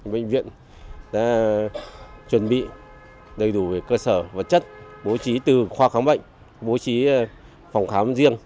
bệnh viện đã chuẩn bị đầy đủ về cơ sở vật chất bố trí từ khoa khám bệnh bố trí phòng khám riêng